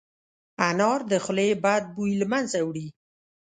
انار د خولې بد بوی له منځه وړي.